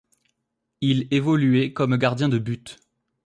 Il évolué comme gardien de but.